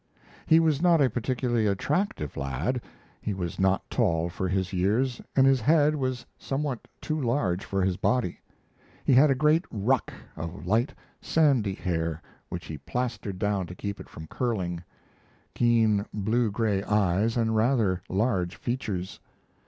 He was not a particularly attractive lad. He was not tall for his years, and his head was somewhat too large for his body. He had a "great ruck" of light, sandy hair which he plastered down to keep it from curling; keen blue gray eyes, and rather large features.